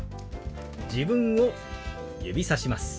自分を指さします。